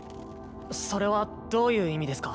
それはどういう意味ですか？